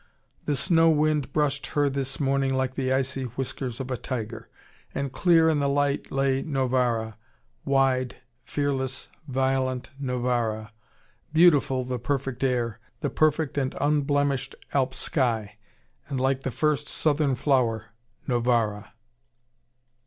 The snow wind brushed her this morning like the icy whiskers of a tiger. And clear in the light lay Novara, wide, fearless, violent Novara. Beautiful the perfect air, the perfect and unblemished Alp sky. And like the first southern flower, Novara.